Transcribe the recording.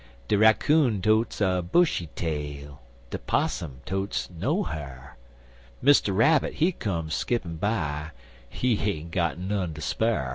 De raccoon totes a bushy tail, De 'possum totes no ha'r, Mr. Rabbit, he come skippin' by, He ain't got none ter spar'.